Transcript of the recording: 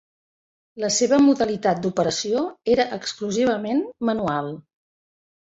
La seva modalitat d'operació era exclusivament manual.